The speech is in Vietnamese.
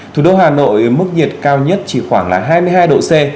thủ đô hà nội mức nhiệt cao nhất chỉ khoảng là hai mươi hai độ c